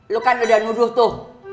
lu kan udah nuduh tuh